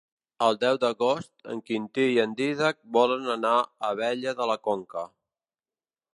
El deu d'agost en Quintí i en Dídac volen anar a Abella de la Conca.